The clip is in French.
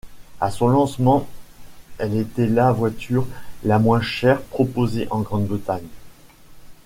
À son lancement, elle était la voiture la moins chère proposée en Grande-Bretagne.